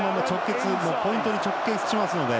ポイントに直結しますので。